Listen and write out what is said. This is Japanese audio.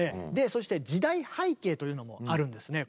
そして時代背景というのもあるんですね